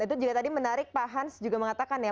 itu juga tadi menarik pak hans juga mengatakan ya